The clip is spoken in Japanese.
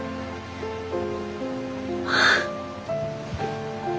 ああ。